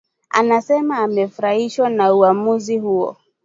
anasema amefurahishwa na uwamuzi huo